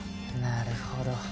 なるほど。